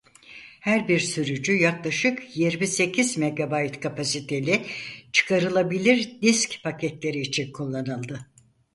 Her bir sürücü yaklaşık yirmi sekiz megabayt kapasiteli çıkarılabilir disk paketleri için kullanıldı.